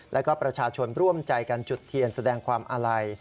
และก็ประชาชนร่วมใจกันจุดเทียนแสดงความอาลัย